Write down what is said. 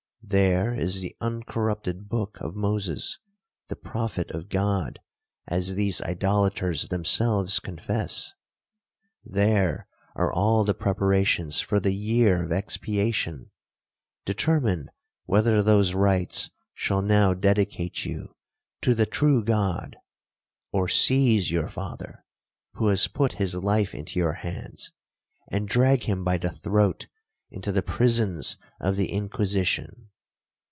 There is the uncorrupted book of Moses, the prophet of God, as these idolaters themselves confess. There are all the preparations for the year of expiation—determine whether those rites shall now dedicate you to the true God, or seize your father, (who has put his life into your hands), and drag him by the throat into the prisons of the Inquisition.